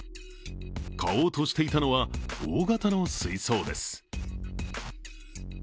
買おうとしていたのは大型の水槽です。